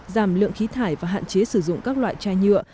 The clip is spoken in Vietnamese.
giảm lượng khí thải và hạn chế sử dụng các loại chai nhựa